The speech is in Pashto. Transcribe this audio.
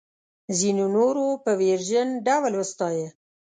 ځینو نورو په ویرجن ډول وستایه.